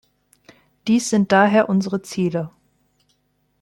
Dies sind daher unsere Ziele.